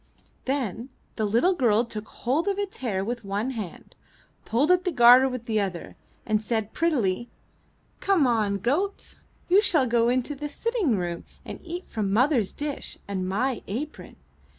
Then the little girl took hold of its hair with one hand, pulled at the garter with the other, and said prettily: "Come now, goat, you shall go into the sitting room and eat from mother's dish and my apron."